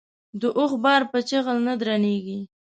د اوښ بار په چيغل نه درنېږي.